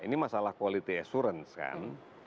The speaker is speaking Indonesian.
ini masalah quality assurance kan